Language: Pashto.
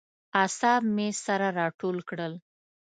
اعصاب مې سره راټول کړل.